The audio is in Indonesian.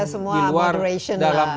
ya semua moderation lah